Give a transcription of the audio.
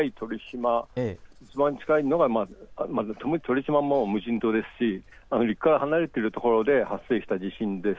いちばん近いのが鳥島は無人島ですし陸から離れているところで発生した地震です。